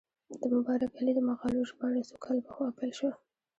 د مبارک علي د مقالو ژباړه څو کاله پخوا پیل شوه.